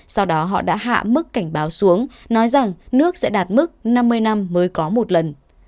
sau đó họ đã hạ mức cảnh báo xuống nói rằng nước sẽ đạt mức năm mươi năm mới có một lần